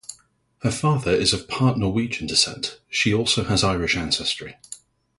Her father is of part Norwegian descent; she also has Irish ancestry.